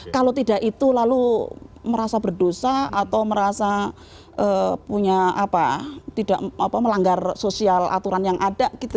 kalau tidak itu lalu merasa berdosa atau merasa punya apa tidak melanggar sosial aturan yang ada gitu